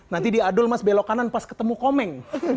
nanti di adull mas belok kanan pas ketemu komeng